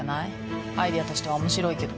アイデアとしては面白いけど。